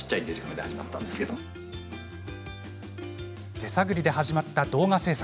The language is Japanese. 手探りで始まった動画制作。